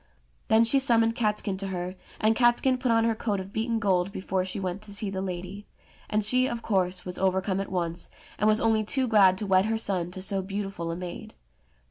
Then she summoned Catskin to her, and Catskin put on her coat of beaten gold before she went to see the lady ; and she, of course, was overcome at once, and was only too glad to wed her son to so beautiful a maid.